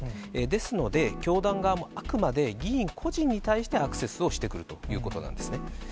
ですので、教団側もあくまで議員個人に対してアクセスをしてくるということなんですね。